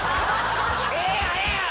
ええやんええやん